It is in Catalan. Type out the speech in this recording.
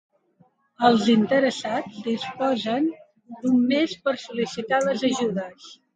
Els interessats disposen d’un mes per sol·licitar les ajudes.